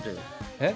えっ？